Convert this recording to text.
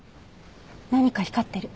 何か光ってる。